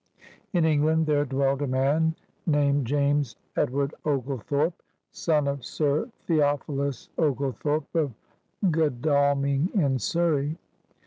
In England there dwelled a man named James Edward Oglethorpe, son of Sir Theophilus Ogle thorpe of Godalming in Siurey.